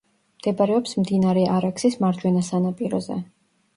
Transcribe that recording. მდებარეობს მდინარე არაქსის მარჯვენა სანაპიროზე.